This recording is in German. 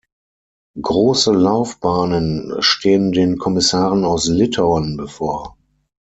Große Laufbahnen stehen den Kommissaren aus Litauen bevor.